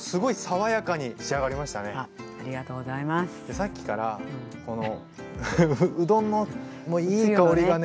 さっきからこのうどんのいい香りがね